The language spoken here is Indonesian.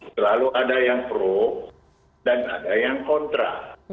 selalu ada yang pro dan ada yang kontra